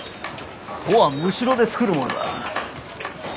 帆はむしろで作るものだ。